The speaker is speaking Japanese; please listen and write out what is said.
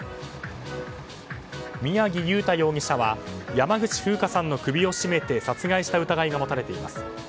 宮城祐太容疑者は山口ふうかさんの首を絞めて殺害した疑いが持たれています。